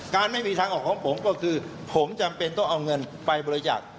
ไม่มีทางออกของผมก็คือผมจำเป็นต้องเอาเงินไปบริจาค